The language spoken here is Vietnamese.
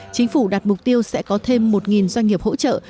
chính phủ đặt mục tiêu sẽ có thêm một doanh nghiệp hỗ trợ